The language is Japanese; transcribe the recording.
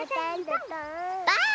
ばあっ！